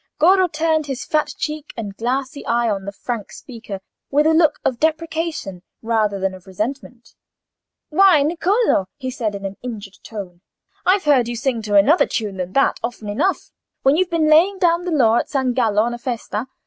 Goro turned his fat cheek and glassy eye on the frank speaker with a look of deprecation rather than of resentment. "Why, Niccolò," he said, in an injured tone, "I've heard you sing to another tune than that, often enough, when you've been laying down the law at San Gallo on a festa.